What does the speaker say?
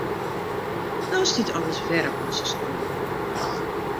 No stiet alles wer op losse skroeven.